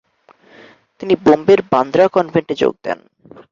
তিনি বোম্বের বান্দ্রা কনভেন্টে যোগ দেন।